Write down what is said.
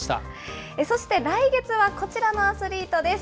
そして来月はこちらのアスリートです。